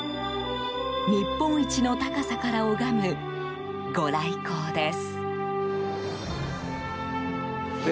日本一の高さから拝むご来光です。